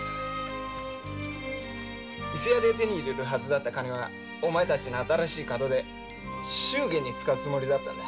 伊勢屋で手に入れるはずだった金はお前たちの門出祝言に使うつもりだったんだ。